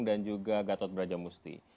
dan juga gatot brajamusti